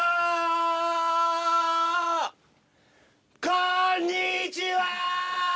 こんにちは！